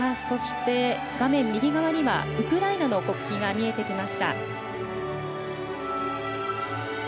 そして、画面右側にはウクライナの国旗が見えてきました。